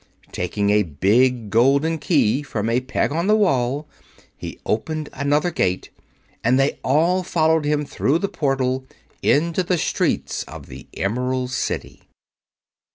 Taking a big golden key from a peg on the wall, he opened another gate, and they all followed him through the portal into the streets of the Emerald City.